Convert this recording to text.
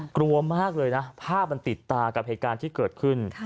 กลัวมากเลยนะภาพมันติดตากับเหตุการณ์ที่เกิดขึ้น